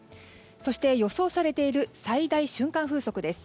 そして、予想されている最大瞬間風速です。